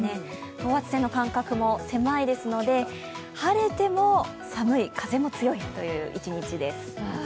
等圧線の間隔も狭いですので晴れても寒い、風も強いという一日です。